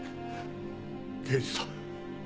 刑事さん